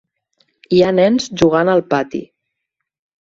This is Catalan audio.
Hi ha nens jugant al pati.